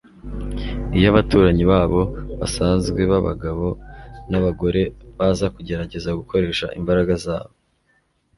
iyo abaturanyi babo basanzwe b'abagabo n'abagore baza kugerageza gukoresha imbaraga zabo